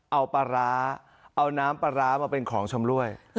เอาปลาร้าเอาน้ำปลาร้ามาเป็นของชำรวย